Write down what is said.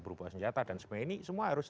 berubah senjata dan semuanya ini semua harus